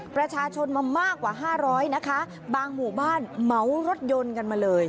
ประชาชนมามากกว่าห้าร้อยนะคะบางหมู่บ้านเหมารถยนต์กันมาเลย